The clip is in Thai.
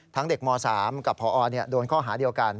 เด็กม๓กับพอโดนข้อหาเดียวกัน